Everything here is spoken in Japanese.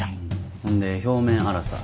ほんで表面粗さ。